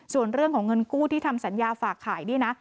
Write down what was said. ส่วนเรื่องของเงินกู้ที่ทำสัญญาฝากขายนี่นะ